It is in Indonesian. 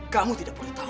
kamu tidak boleh tahu